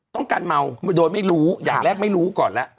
เมาโดยไม่รู้อย่างแรกไม่รู้ก่อนแล้ว